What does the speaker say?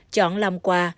chọn làm quà